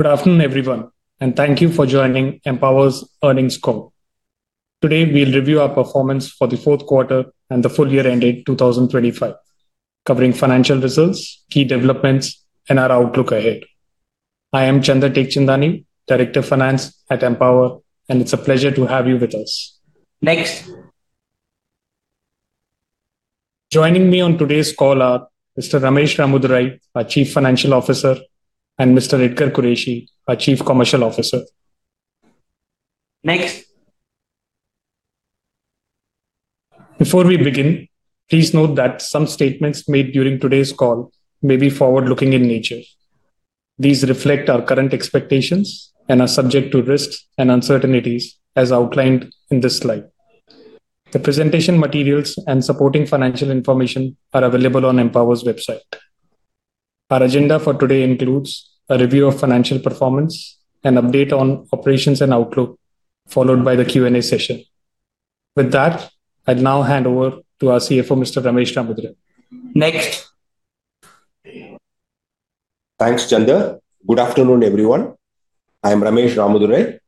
Good afternoon, everyone, and thank you for joining Empower's Earnings Call. Today we'll review our performance for the fourth quarter and the full year-end in 2025, covering financial results, key developments, and our outlook ahead. I am Chandra Teckchandani, Director of Finance at Empower, and it's a pleasure to have you with us. Next. Joining me on today's call are Mr. Ramesh Ramadurai, our Chief Financial Officer, and Mr. Edgar Qureshi, our Chief Commercial Officer. Next. Before we begin, please note that some statements made during today's call may be forward-looking in nature. These reflect our current expectations and are subject to risks and uncertainties as outlined in this slide. The presentation materials and supporting financial information are available on Empower's website. Our agenda for today includes a review of financial performance, an update on operations and outlook, followed by the Q&A session. With that, I'd now hand over to our CFO, Mr. Ramesh Ramadurai. Next. Thanks, Chandra. Good afternoon, everyone. I'm Ramesh Ramadurai.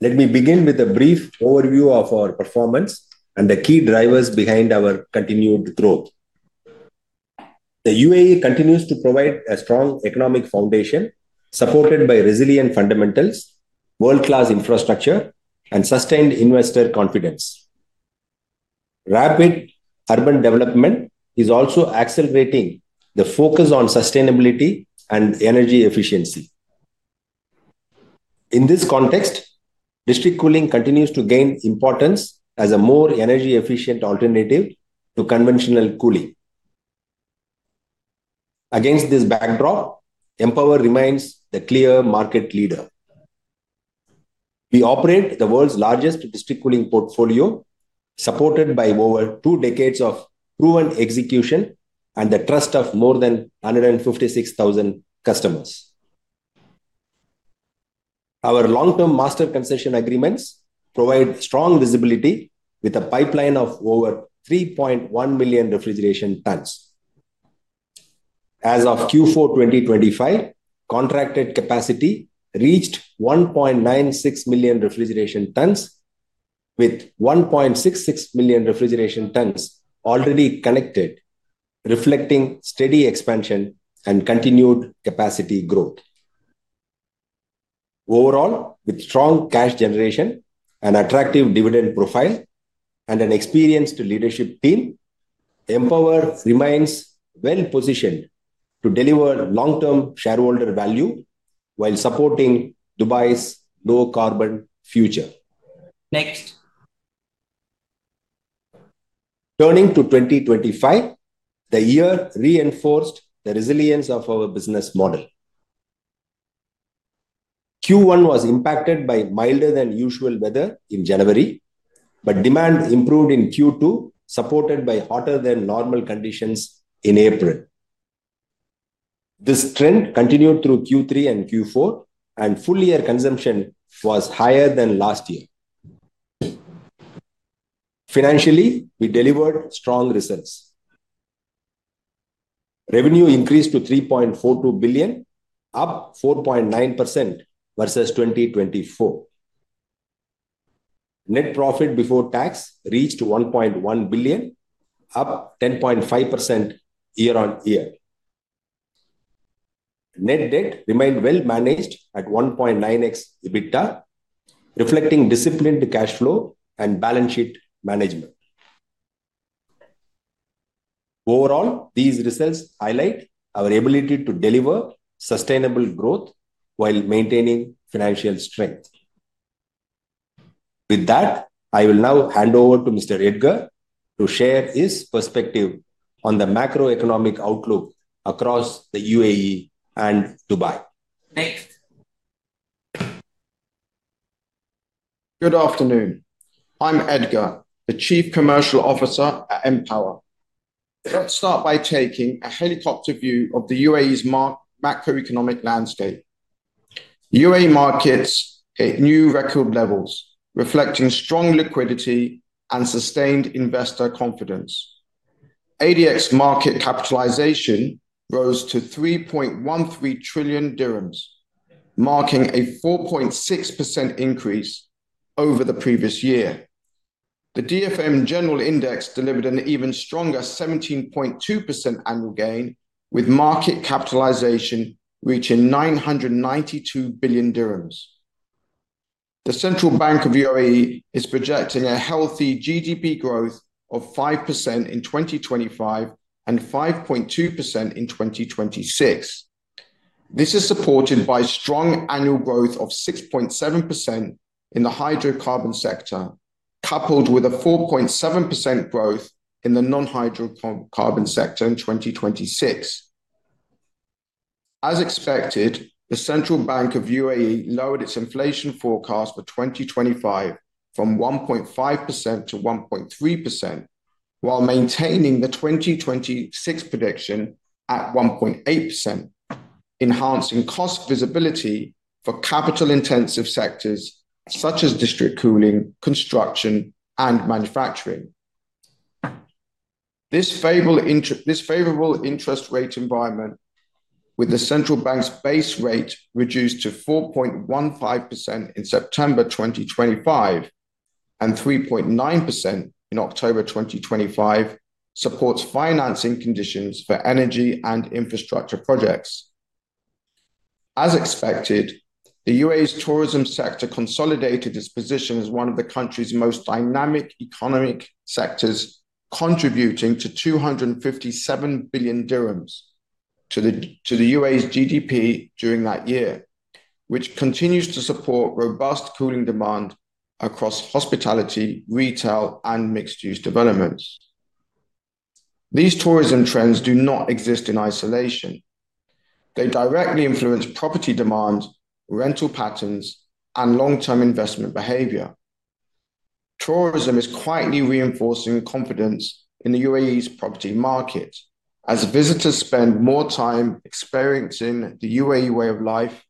Let me begin with a brief overview of our performance and the key drivers behind our continued growth. The UAE continues to provide a strong economic foundation supported by resilient fundamentals, world-class infrastructure, and sustained investor confidence. Rapid urban development is also accelerating the focus on sustainability and energy efficiency. In this context, district cooling continues to gain importance as a more energy-efficient alternative to conventional cooling. Against this backdrop, Empower remains the clear market leader. We operate the world's largest district cooling portfolio, supported by over two decades of proven execution and the trust of more than 156,000 customers. Our long-term master concession agreements provide strong visibility with a pipeline of over 3.1 million refrigeration tons. As of Q4 2025, contracted capacity reached 1.96 million refrigeration tons, with 1.66 million refrigeration tons already connected, reflecting steady expansion and continued capacity growth. Overall, with strong cash generation, an attractive dividend profile, and an experienced leadership team, Empower remains well-positioned to deliver long-term shareholder value while supporting Dubai's low-carbon future. Next. Turning to 2025, the year reinforced the resilience of our business model. Q1 was impacted by milder-than-usual weather in January, but demand improved in Q2, supported by hotter-than-normal conditions in April. This trend continued through Q3 and Q4, and full-year consumption was higher than last year. Financially, we delivered strong results. Revenue increased to 3.42 billion, up 4.9% versus 2024. Net profit before tax reached 1.1 billion, up 10.5% year-on-year. Net debt remained well-managed at 1.9x EBITDA, reflecting disciplined cash flow and balance sheet management. Overall, these results highlight our ability to deliver sustainable growth while maintaining financial strength. With that, I will now hand over to Mr. Edgar to share his perspective on the macroeconomic outlook across the UAE and Dubai. Next. Good afternoon. I'm Edgar, the Chief Commercial Officer at Empower. Let's start by taking a helicopter view of the UAE's macroeconomic landscape. UAE markets hit new record levels, reflecting strong liquidity and sustained investor confidence. ADX market capitalization rose to 3.13 trillion dirhams, marking a 4.6% increase over the previous year. The DFM General Index delivered an even stronger 17.2% annual gain, with market capitalization reaching 992 billion dirhams. The Central Bank of the UAE is projecting a healthy GDP growth of 5% in 2025 and 5.2% in 2026. This is supported by strong annual growth of 6.7% in the hydrocarbon sector, coupled with a 4.7% growth in the non-hydrocarbon sector in 2026. As expected, the Central Bank of the UAE lowered its inflation forecast for 2025 from 1.5% to 1.3%, while maintaining the 2026 prediction at 1.8%, enhancing cost visibility for capital-intensive sectors such as district cooling, construction, and manufacturing. This favorable interest rate environment, with the central bank's base rate reduced to 4.15% in September 2025 and 3.9% in October 2025, supports financing conditions for energy and infrastructure projects. As expected, the UAE's tourism sector consolidated its position as one of the country's most dynamic economic sectors, contributing 257 billion dirhams to the UAE's GDP during that year, which continues to support robust cooling demand across hospitality, retail, and mixed-use developments. These tourism trends do not exist in isolation. They directly influence property demand, rental patterns, and long-term investment behavior. Tourism is quietly reinforcing confidence in the UAE's property market, as visitors spend more time experiencing the UAE way of life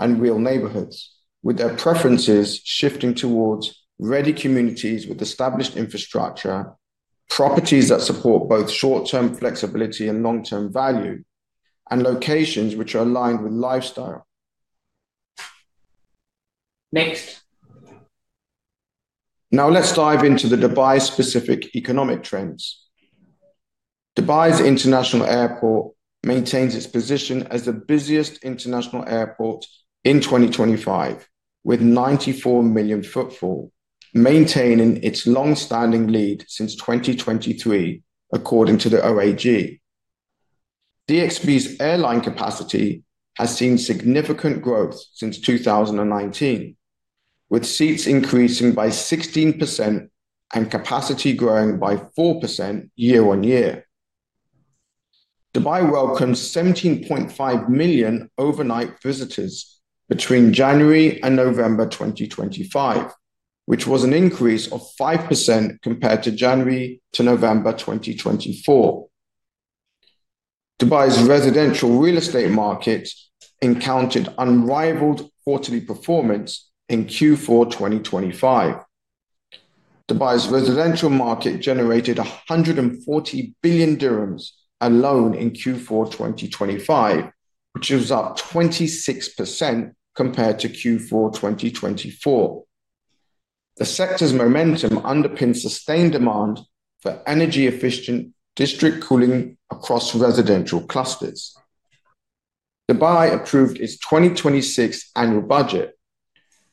and real neighborhoods, with their preferences shifting towards ready communities with established infrastructure, properties that support both short-term flexibility and long-term value, and locations which are aligned with lifestyle. Next. Now let's dive into the Dubai-specific economic trends. Dubai's international airport maintains its position as the busiest international airport in 2025 with 94 million footfall, maintaining its longstanding lead since 2023, according to the OAG. DXB's airline capacity has seen significant growth since 2019, with seats increasing by 16% and capacity growing by 4% year-on-year. Dubai welcomed 17.5 million overnight visitors between January and November 2025, which was an increase of 5% compared to January to November 2024. Dubai's residential real estate market encountered unrivaled quarterly performance in Q4 2025. Dubai's residential market generated 140 billion dirhams alone in Q4 2025, which is up 26% compared to Q4 2024. The sector's momentum underpins sustained demand for energy-efficient district cooling across residential clusters. Dubai approved its 2026 annual budget,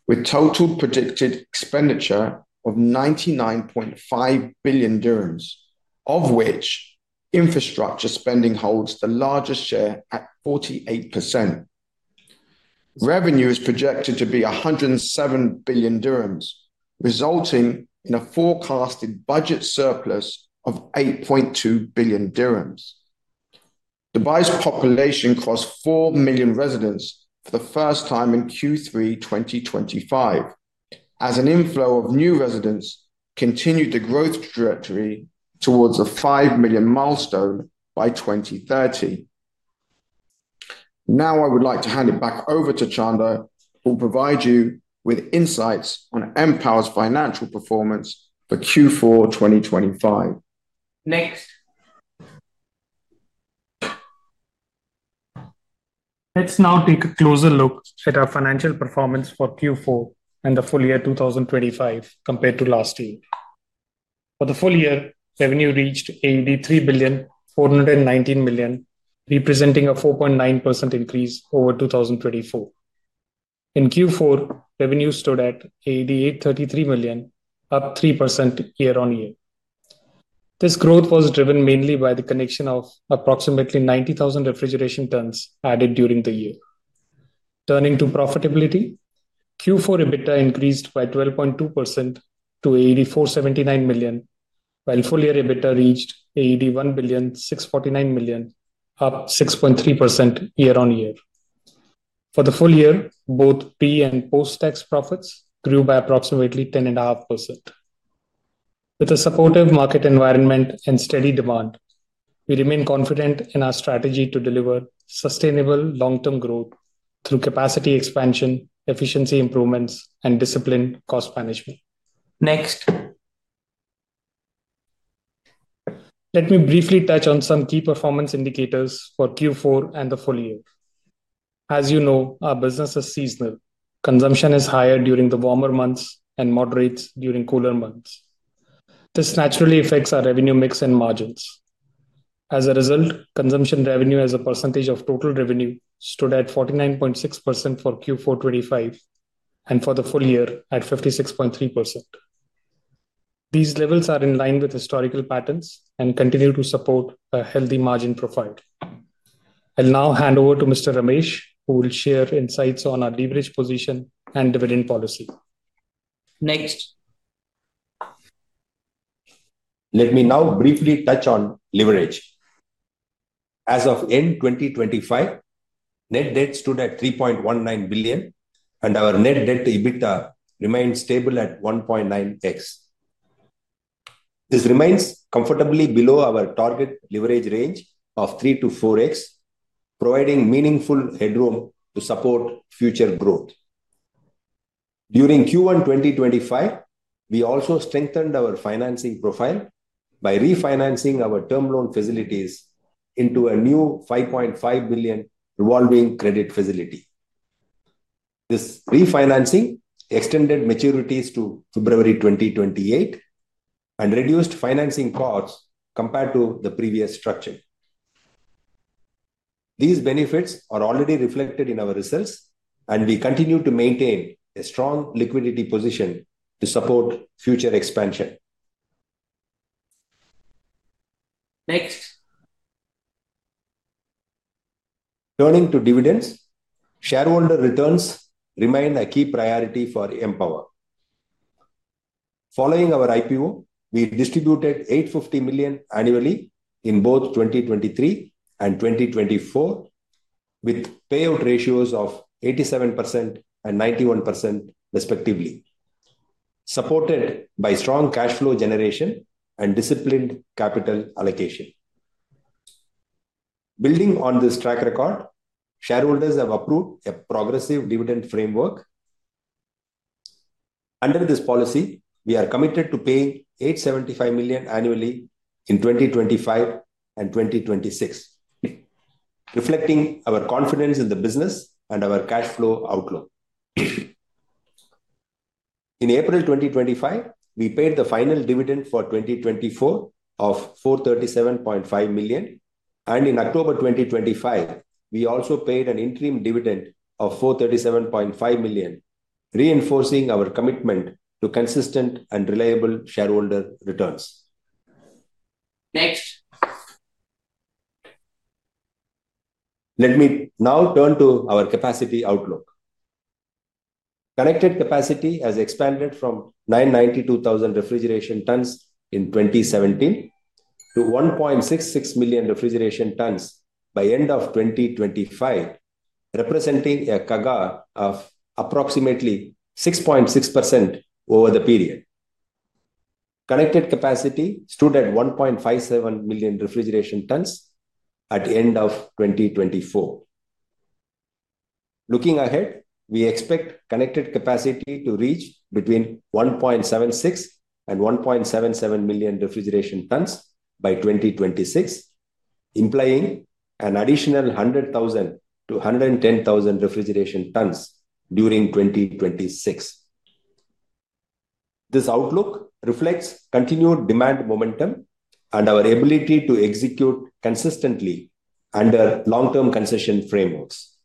with total predicted expenditure of 99.5 billion dirhams, of which infrastructure spending holds the largest share at 48%. Revenue is projected to be 107 billion dirhams, resulting in a forecasted budget surplus of 8.2 billion dirhams. Dubai's population crossed 4 million residents for the first time in Q3 2025, as an inflow of new residents continued the growth trajectory towards the 5 million milestone by 2030. Now I would like to hand it back over to Chandra, who will provide you with insights on Empower's financial performance for Q4 2025. Next. Let's now take a closer look at our financial performance for Q4 and the full year 2025 compared to last year. For the full year, revenue reached 3.419 billion, representing a 4.9% increase over 2024. In Q4, revenue stood at 88.33 million, up 3% year-on-year. This growth was driven mainly by the connection of approximately 90,000 refrigeration tons added during the year. Turning to profitability, Q4 EBITDA increased by 12.2% to 84.79 million, while full-year EBITDA reached 81.649 million, up 6.3% year-on-year. For the full year, both pre- and post-tax profits grew by approximately 10.5%. With a supportive market environment and steady demand, we remain confident in our strategy to deliver sustainable long-term growth through capacity expansion, efficiency improvements, and disciplined cost management. Next. Let me briefly touch on some key performance indicators for Q4 and the full year. As you know, our business is seasonal. Consumption is higher during the warmer months and moderates during cooler months. This naturally affects our revenue mix and margins. As a result, consumption revenue as a percentage of total revenue stood at 49.6% for Q4 2025 and for the full year at 56.3%. These levels are in line with historical patterns and continue to support a healthy margin profile. I'll now hand over to Mr. Ramesh, who will share insights on our leverage position and dividend policy. Next. Let me now briefly touch on leverage. As of end 2025, net debt stood at 3.19 billion, and our net debt to EBITDA remained stable at 1.9x. This remains comfortably below our target leverage range of 3x-4x, providing meaningful headroom to support future growth. During Q1 2025, we also strengthened our financing profile by refinancing our term loan facilities into a new 5.5 billion revolving credit facility. This refinancing extended maturities to February 2028 and reduced financing costs compared to the previous structure. These benefits are already reflected in our results, and we continue to maintain a strong liquidity position to support future expansion. Next. Turning to dividends, shareholder returns remain a key priority for Empower. Following our IPO, we distributed 850 million annually in both 2023 and 2024, with payout ratios of 87% and 91%, respectively, supported by strong cash flow generation and disciplined capital allocation. Building on this track record, shareholders have approved a progressive dividend framework. Under this policy, we are committed to paying 875 million annually in 2025 and 2026, reflecting our confidence in the business and our cash flow outlook. In April 2025, we paid the final dividend for 2024 of 437.5 million, and in October 2025, we also paid an interim dividend of 437.5 million, reinforcing our commitment to consistent and reliable shareholder returns. Next. Let me now turn to our capacity outlook. Connected capacity has expanded from 992,000 refrigeration tons in 2017 to 1.66 million refrigeration tons by the end of 2025, representing a CAGR of approximately 6.6% over the period. Connected capacity stood at 1.57 million refrigeration tons at the end of 2024. Looking ahead, we expect connected capacity to reach between 1.76 and 1.77 million refrigeration tons by 2026, implying an additional 100,000-110,000 refrigeration tons during 2026. This outlook reflects continued demand momentum and our ability to execute consistently under long-term concession frameworks.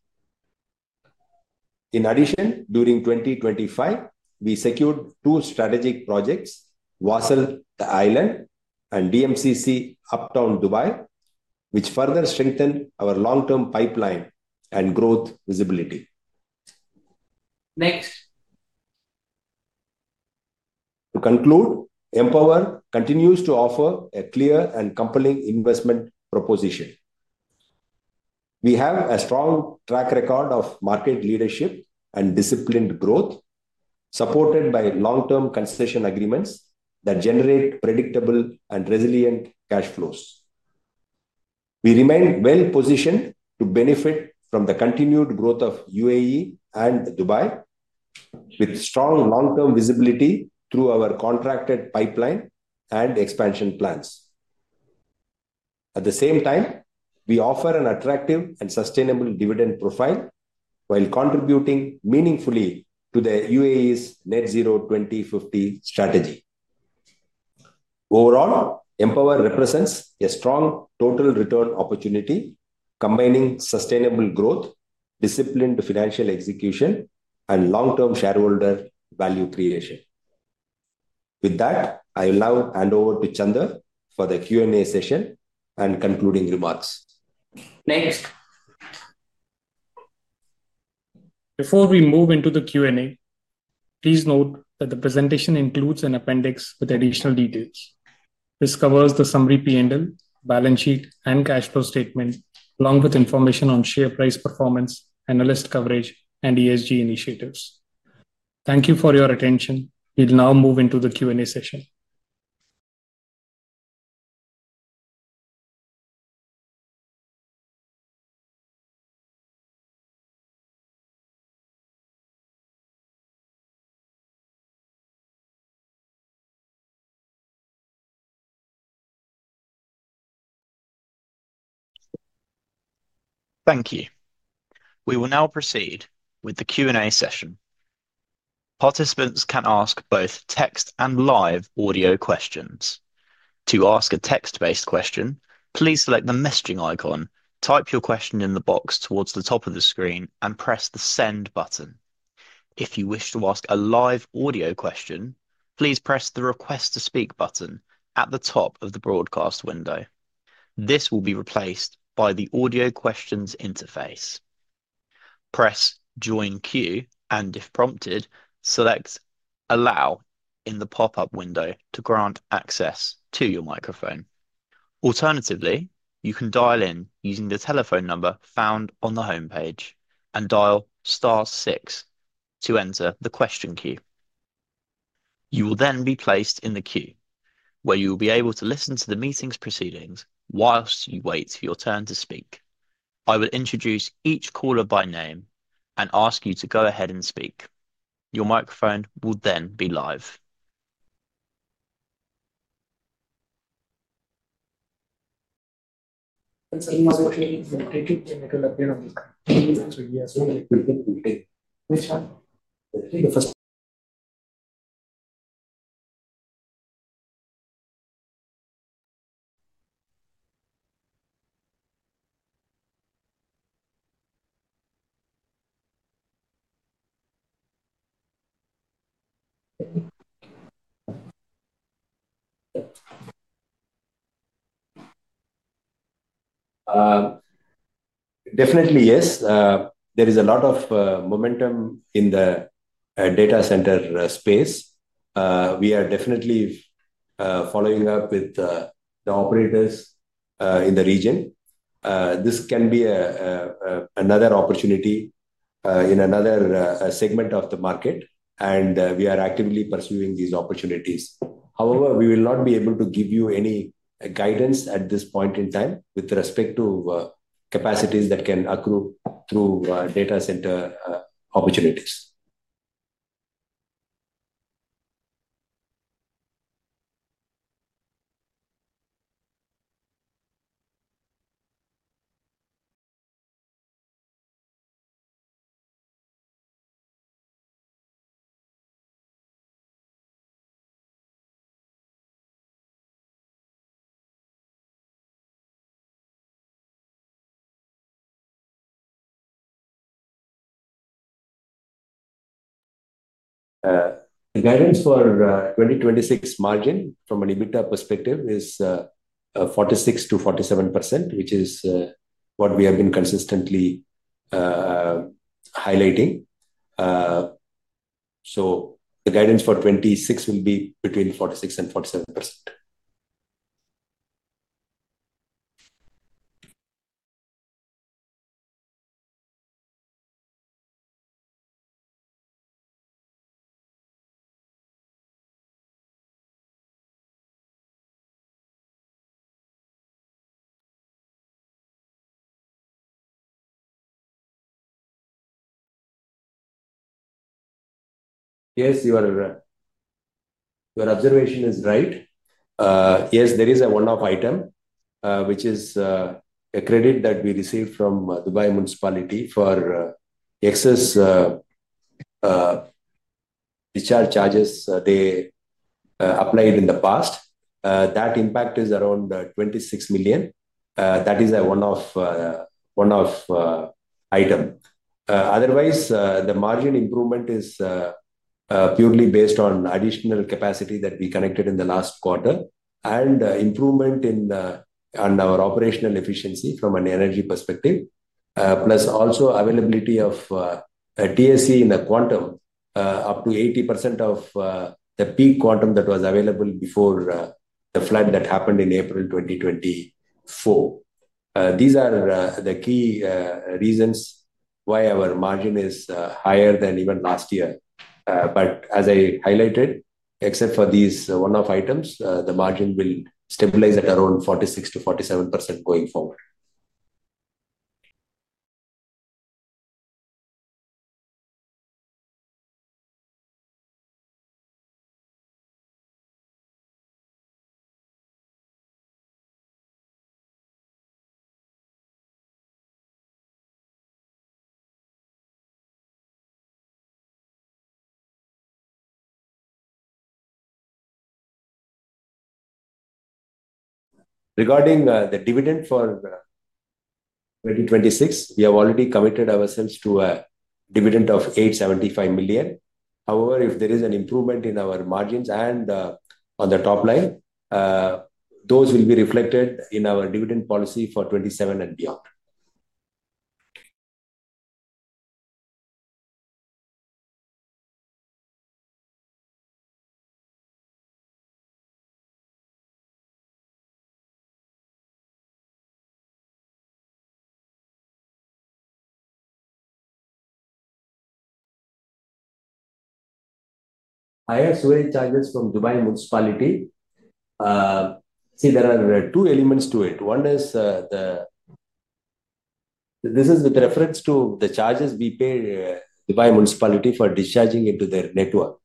In addition, during 2025, we secured two strategic projects, Wasl The Island and DMCC Uptown Dubai, which further strengthened our long-term pipeline and growth visibility. Next. To conclude, Empower continues to offer a clear and compelling investment proposition. We have a strong track record of market leadership and disciplined growth, supported by long-term concession agreements that generate predictable and resilient cash flows. We remain well-positioned to benefit from the continued growth of UAE and Dubai, with strong long-term visibility through our contracted pipeline and expansion plans. At the same time, we offer an attractive and sustainable dividend profile while contributing meaningfully to the UAE's Net-Zero 2050 strategy. Overall, Empower represents a strong total return opportunity, combining sustainable growth, disciplined financial execution, and long-term shareholder value creation. With that, I will now hand over to Chandra for the Q&A session and concluding remarks. Next. Before we move into the Q&A, please note that the presentation includes an appendix with additional details. This covers the summary P&L, balance sheet, and cash flow statement, along with information on share price performance, analyst coverage, and ESG initiatives. Thank you for your attention. We'll now move into the Q&A session. Thank you. We will now proceed with the Q&A session. Participants can ask both text and live audio questions. To ask a text-based question, please select the messaging icon, type your question in the box towards the top of the screen, and press the send button. If you wish to ask a live audio question, please press the request to speak button at the top of the broadcast window. This will be replaced by the audio questions interface. Press join queue, and if prompted, select allow in the pop-up window to grant access to your microphone. Alternatively, you can dial in using the telephone number found on the homepage and dial star six to enter the question queue. You will then be placed in the queue where you will be able to listen to the meeting's proceedings while you wait for your turn to speak. I will introduce each caller by name and ask you to go ahead and speak. Your microphone will then be live. Definitely, yes. There is a lot of momentum in the data center space. We are definitely following up with the operators in the region. This can be another opportunity in another segment of the market, and we are actively pursuing these opportunities. However, we will not be able to give you any guidance at this point in time with respect to capacities that can accrue through data center opportunities. The guidance for 2026 margin from an EBITDA perspective is 46%-47%, which is what we have been consistently highlighting. So the guidance for 2026 will be between 46% and 47%. Yes, your observation is right. Yes, there is a one-off item, which is a credit that we received from Dubai Municipality for excess discharge charges they applied in the past. That impact is around 26 million. That is a one-off item. Otherwise, the margin improvement is purely based on additional capacity that we connected in the last quarter and improvement in our operational efficiency from an energy perspective, plus also availability of TSE in the quantum, up to 80% of the peak quantum that was available before the flood that happened in April 2024. These are the key reasons why our margin is higher than even last year. But as I highlighted, except for these one-off items, the margin will stabilize at around 46%-47% going forward. Regarding the dividend for 2026, we have already committed ourselves to a dividend of 875 million. However, if there is an improvement in our margins and on the top line, those will be reflected in our dividend policy for 2027 and beyond. Higher sewerage charges from Dubai Municipality. See, there are two elements to it. One is this is with reference to the charges we paid Dubai Municipality for discharging into their network.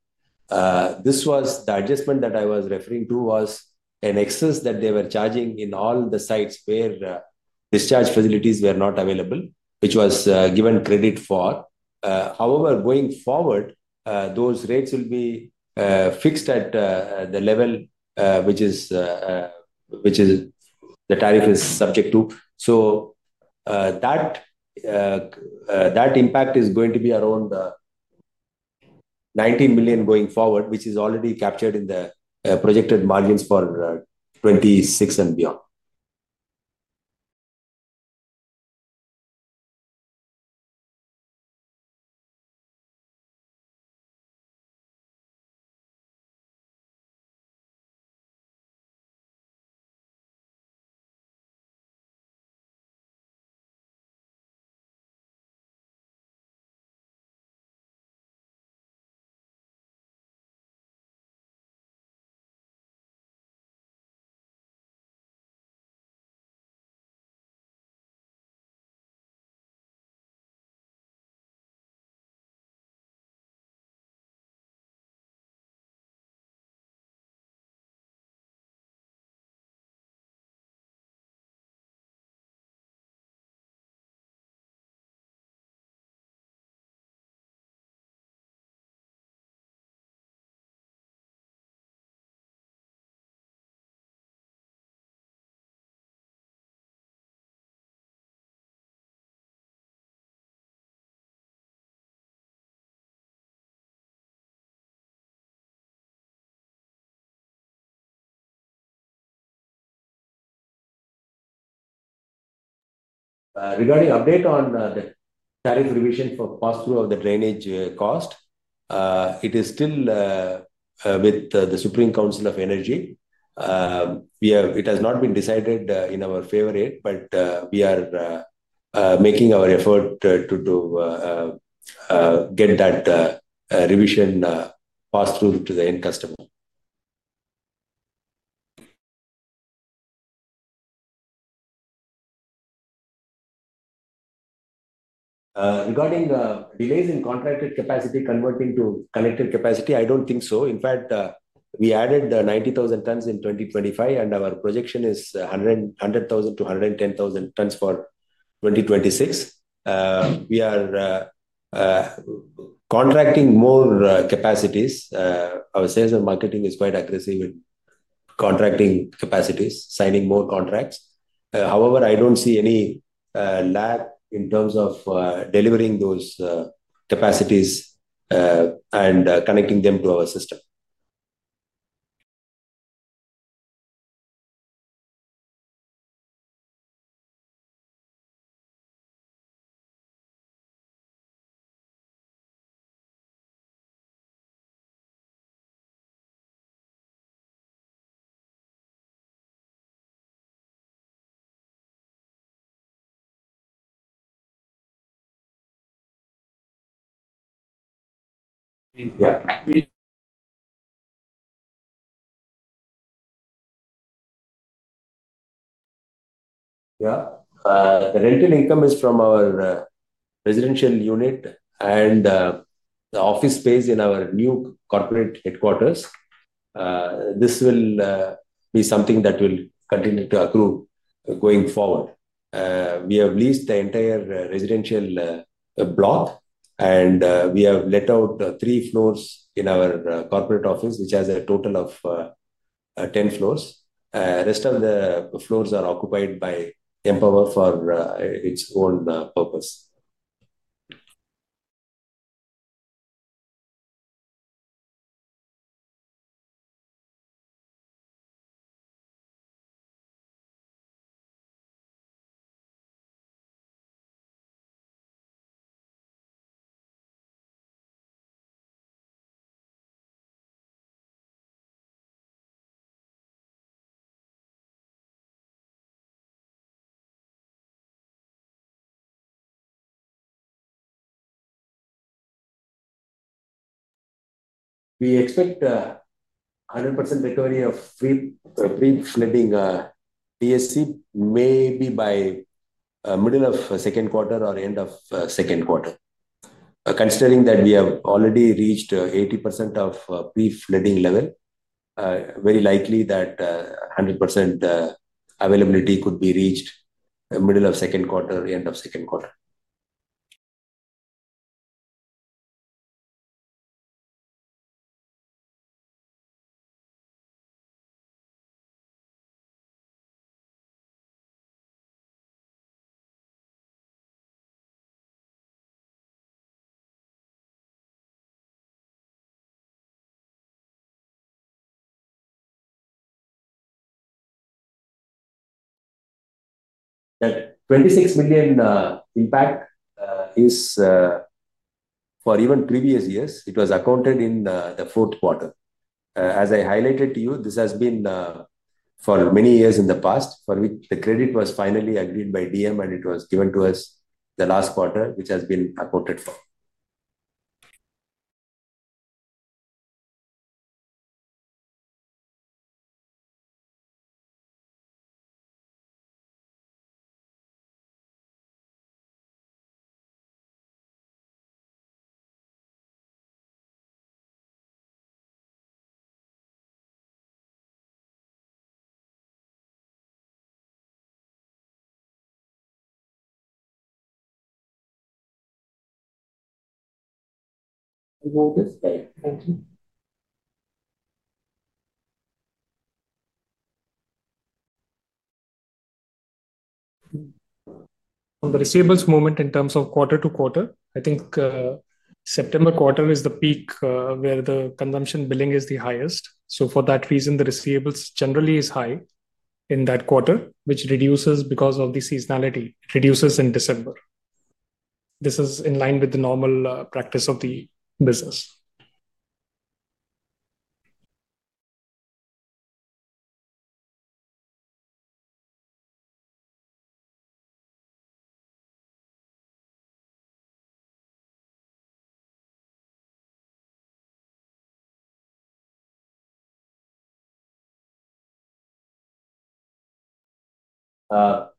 The adjustment that I was referring to was an excess that they were charging in all the sites where discharge facilities were not available, which was given credit for. However, going forward, those rates will be fixed at the level which the tariff is subject to. So that impact is going to be around 19 million going forward, which is already captured in the projected margins for 2026 and beyond. Regarding update on the tariff revision for pass-through of the drainage cost, it is still with the Supreme Council of Energy. It has not been decided in our favor, but we are making our effort to get that revision passed through to the end customer. Regarding delays in contracted capacity converting to Connected capacity, I don't think so. In fact, we added 90,000 tons in 2025, and our projection is 100,000-110,000 tons for 2026. We are contracting more capacities. Our sales and marketing is quite aggressive in contracting capacities, signing more contracts. However, I don't see any lag in terms of delivering those capacities and connecting them to our system. The rental income is from our residential unit and the office space in our new corporate headquarters. This will be something that will continue to accrue going forward. We have leased the entire residential block, and we have let out three floors in our corporate office, which has a total of 10 floors. The rest of the floors are occupied by Empower for its own purpose. We expect 100% recovery of pre-flooding TSE maybe by middle of second quarter or end of second quarter. Considering that we have already reached 80% of pre-flooding level, very likely that 100% availability could be reached middle of second quarter, end of second quarter. The AED 26 million impact is for even previous years. It was accounted in the fourth quarter. As I highlighted to you, this has been for many years in the past for which the credit was finally agreed by DM, and it was given to us the last quarter, which has been accounted for. On the receivables movement in terms of quarter to quarter, I think September quarter is the peak where the consumption billing is the highest. So for that reason, the receivables generally are high in that quarter, which reduces because of the seasonality. It reduces in December. This is in line with the normal practice of the business.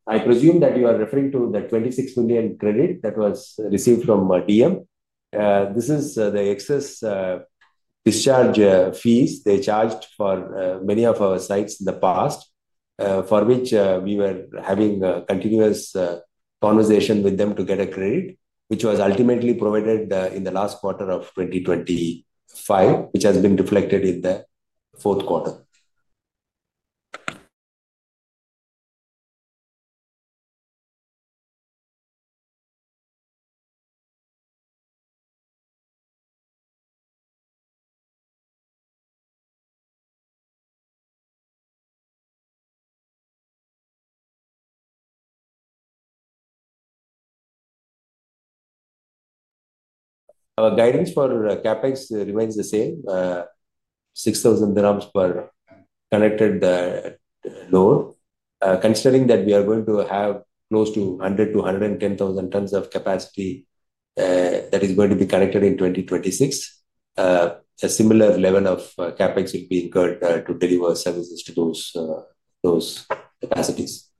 I presume that you are referring to the 26 million credit that was received from DM. This is the excess discharge fees they charged for many of our sites in the past for which we were having continuous conversation with them to get a credit, which was ultimately provided in the last quarter of 2025, which has been reflected in the fourth quarter. Our guidance for CapEx remains the same, 6,000 dirhams per connected load. Considering that we are going to have close to 100-110,000 tons of capacity that is going to be connected in 2026, a similar level of CapEx will be incurred to deliver services to those capacities.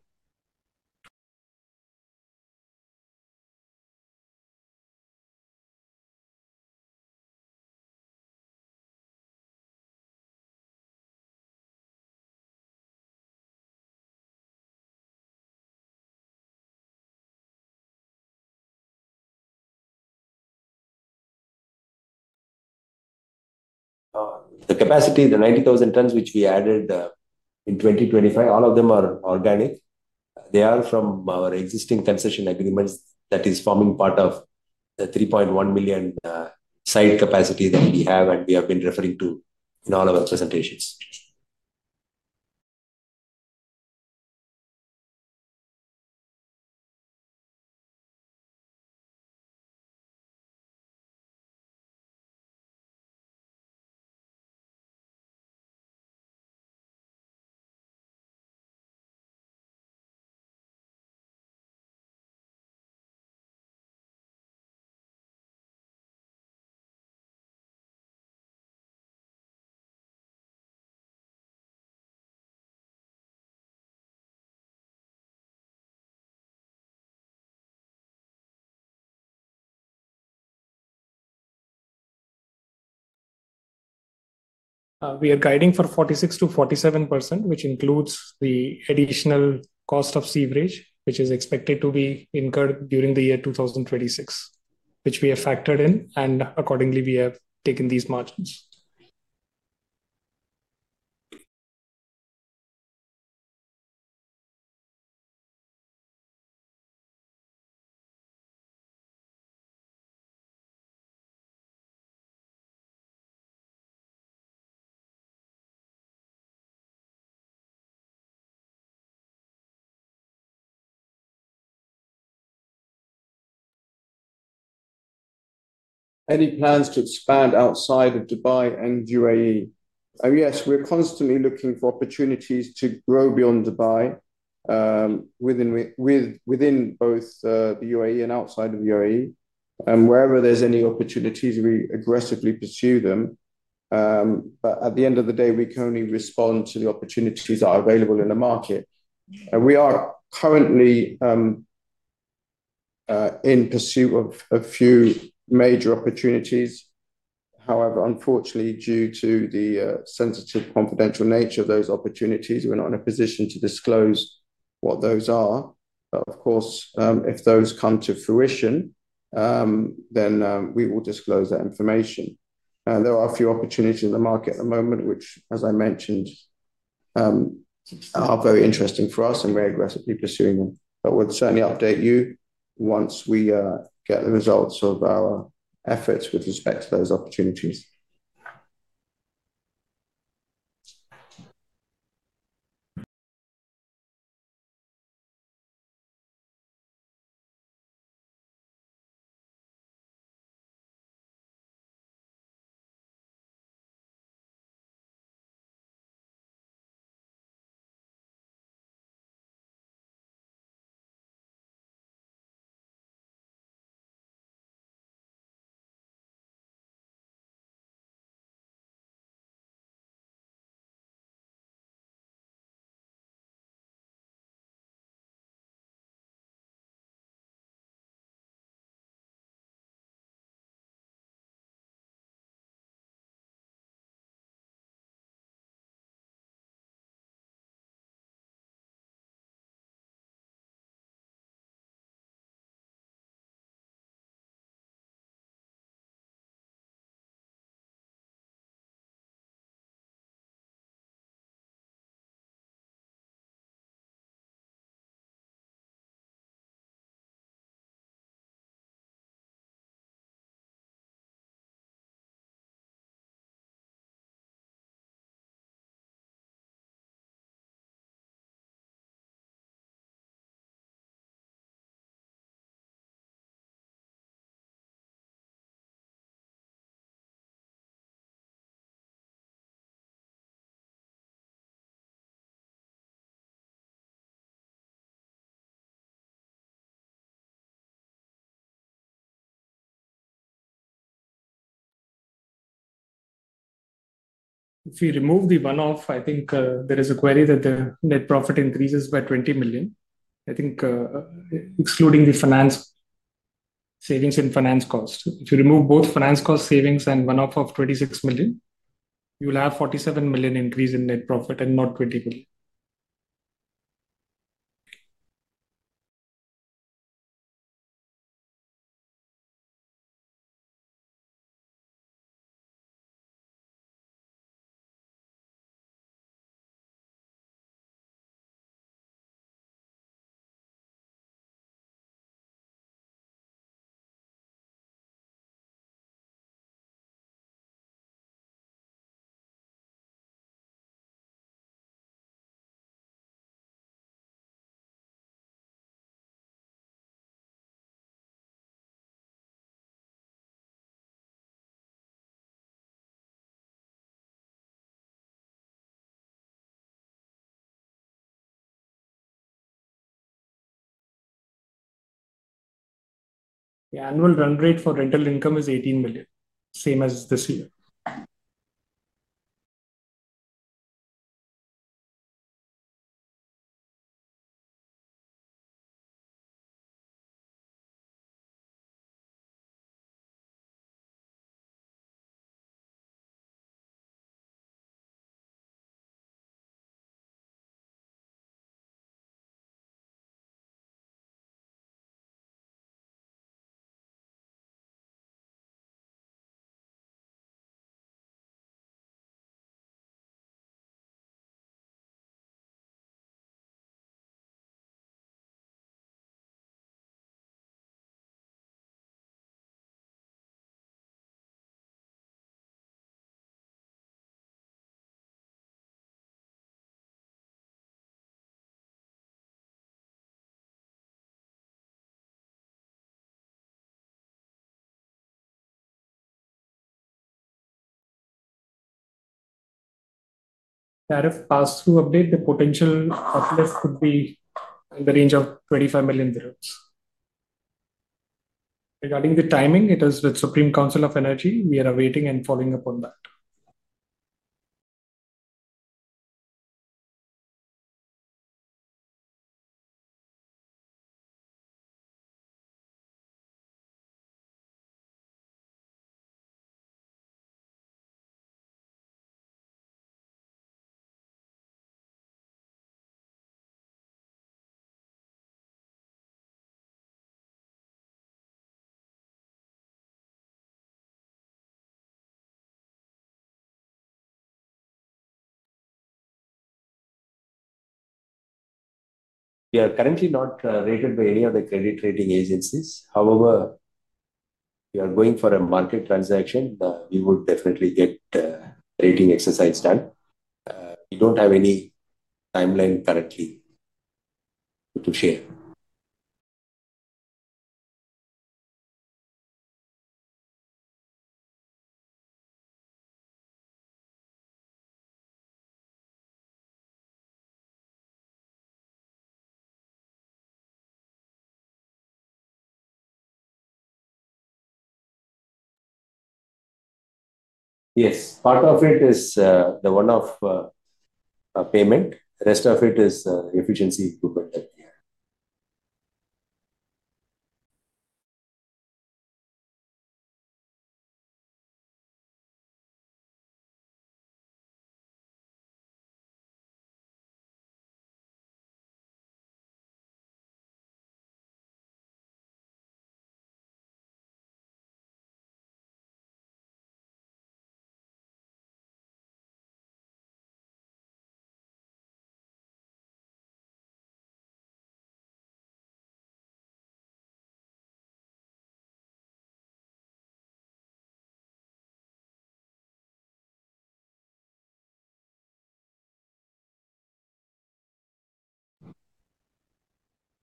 The 90,000 tons which we added in 2025, all of them are organic. They are from our existing concession agreements that are forming part of the 3.1 million site capacity that we have and we have been referring to in all of our presentations. We are guiding for 46%-47%, which includes the additional cost of sewerage, which is expected to be incurred during the year 2026, which we have factored in. Accordingly, we have taken these margins. Any plans to expand outside of Dubai and UAE? Yes, we're constantly looking for opportunities to grow beyond Dubai within both the UAE and outside of the UAE. Wherever there's any opportunities, we aggressively pursue them. At the end of the day, we can only respond to the opportunities that are available in the market. We are currently in pursuit of a few major opportunities. However, unfortunately, due to the sensitive, confidential nature of those opportunities, we're not in a position to disclose what those are. But of course, if those come to fruition, then we will disclose that information. There are a few opportunities in the market at the moment, which, as I mentioned, are very interesting for us and we're aggressively pursuing them. But we'll certainly update you once we get the results of our efforts with respect to those opportunities. If we remove the one-off, I think there is a query that the net profit increases by 20 million. I think excluding the savings and finance cost. If you remove both finance cost savings and one-off of 26 million, you'll have a 47 million increase in net profit and not 20 million. The annual run rate for rental income is 18 million, same as this year. Tariff pass-through update, the potential uplift could be in the range of 25 million dirhams. Regarding the timing, it is with the Supreme Council of Energy. We are awaiting and following up on that. We are currently not rated by any of the credit rating agencies. However, if we are going for a market transaction, we would definitely get the rating exercise done. We don't have any timeline currently to share. Yes, part of it is the one-off payment. The rest of it is efficiency improvement.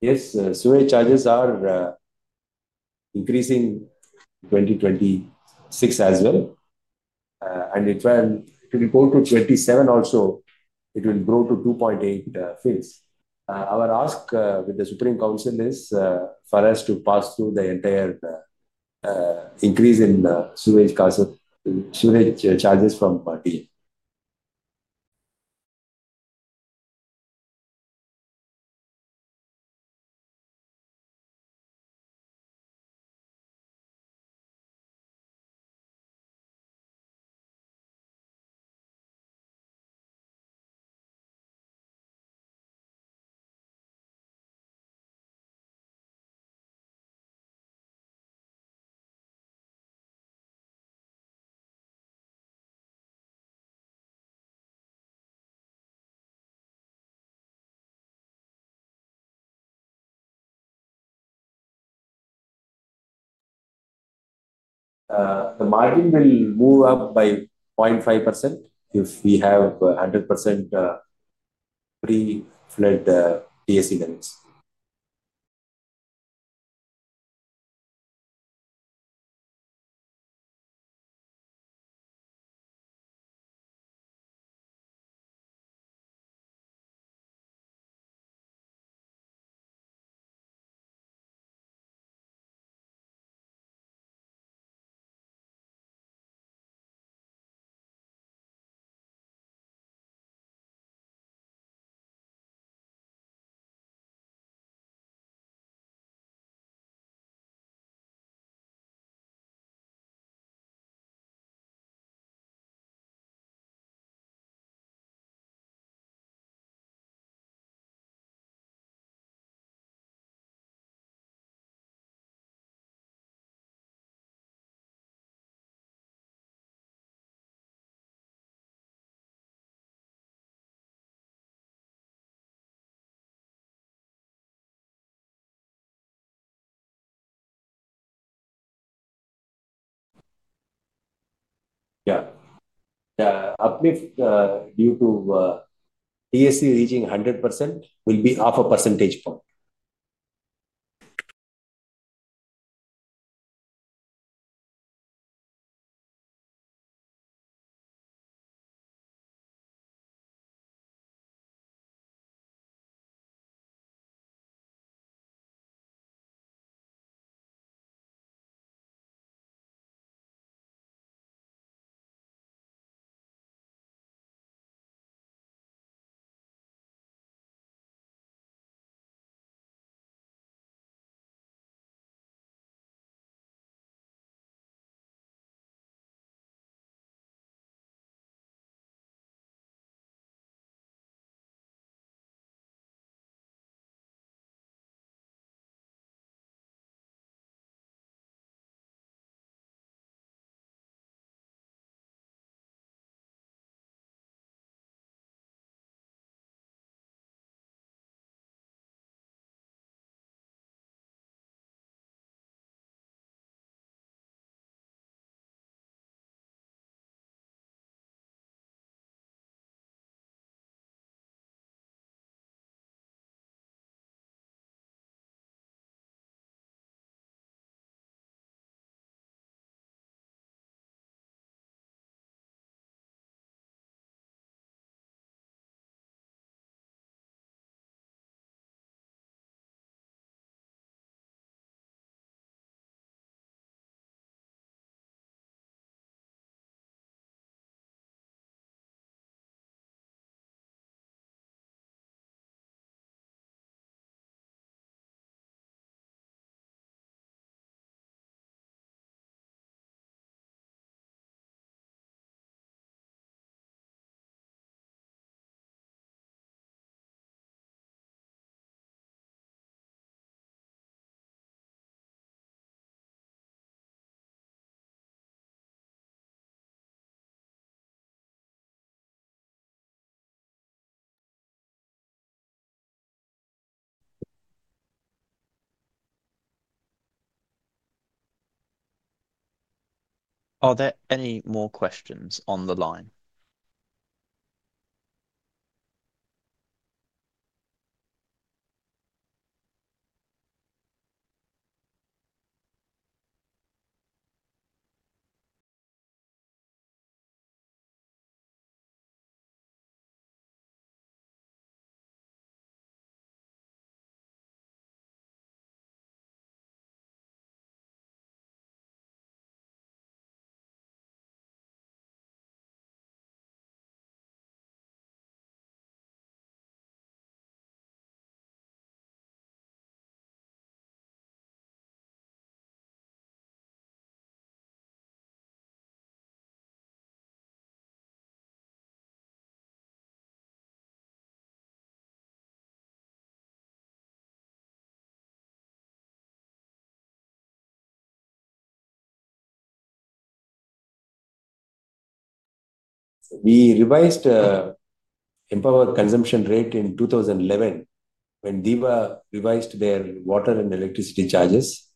Yes, sewerage charges are increasing in 2026 as well. If we go to 2027 also, it will grow to 2.8 fils. Our ask with the Supreme Council is for us to pass through the entire increase in sewerage charges from DM. The margin will move up by 0.5% if we have 100% pre-flood TSE limits. Due to TSE reaching 100%, it will be half a percentage point. Are there any more questions on the line? We revised the Empower consumption rate in 2011 when DEWA revised their water and electricity charges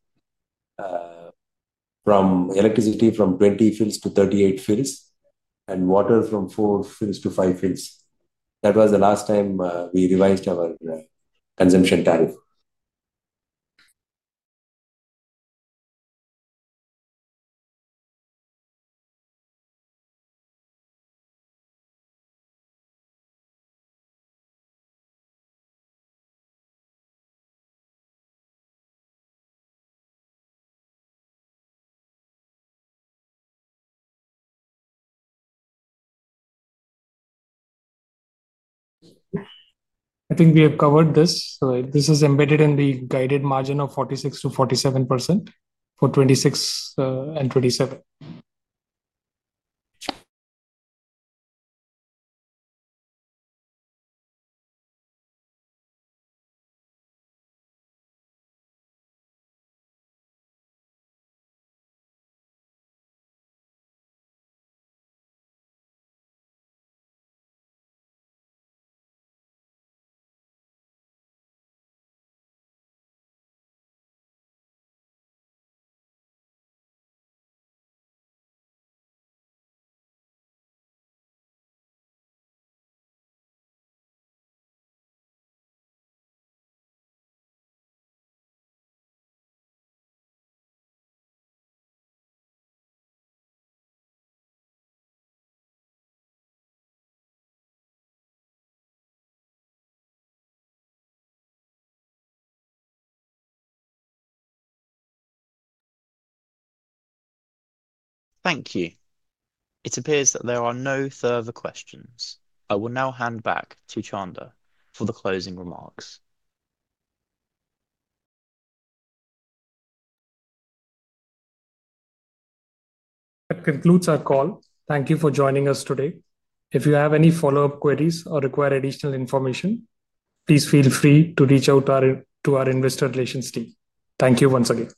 from electricity from 20 fils to 38 fils and water from 4 fils to 5 fils. That was the last time we revised our consumption tariff. I think we have covered this. This is embedded in the guided margin of 46%-47% for 2026 and 2027. Thank you. It appears that there are no further questions. I will now hand back to Chandra for the closing remarks. That concludes our call. Thank you for joining us today. If you have any follow-up queries or require additional information, please feel free to reach out to our investor relations team. Thank you once again.